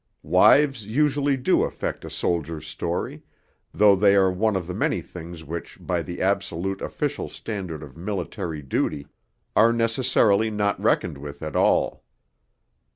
Wives usually do affect a soldier's story, though they are one of the many things which by the absolute official standard of military duty are necessarily not reckoned with at all.